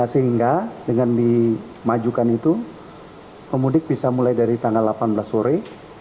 sehingga dengan dimajukan itu pemudik bisa mulai dari tanggal delapan belas sore sembilan belas dua puluh dua puluh satu